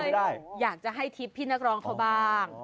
ก็เลยอยากจะให้ทริปพี่นักร้องเขาบ้าง